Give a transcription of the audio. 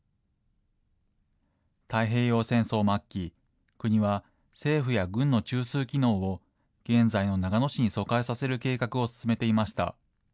太平洋戦争末期、国は政府や軍の中枢機能を現在の長野市に疎開させる計画を進めていました。